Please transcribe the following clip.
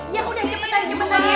ya udah cepetan cepetan ya